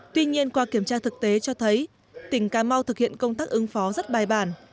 tuy nhiên qua kiểm tra thực tế cho thấy tỉnh cà mau thực hiện công tác ứng phó rất bài bản